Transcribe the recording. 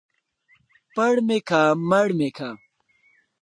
ـ پړ مى که مړ مى که.